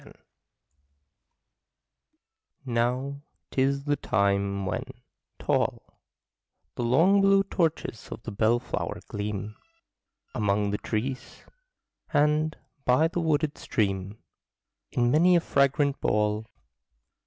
JULY Now 'tis the time when, tall, The long blue torches of the bellflower gleam Among the trees; and, by the wooded stream. In many a fragrant ball.